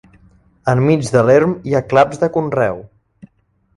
Enmig de l'erm hi ha claps de conreu.